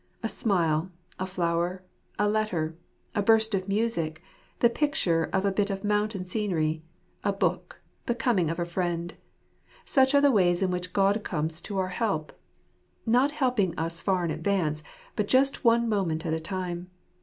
A smile, a flower, a letter, a burst of music, the picture of a bit of mountain scenery, a book, the coming of a friend — such are the ways in which God comes to our help. Not helping us far in advance, but just for one moment at a time.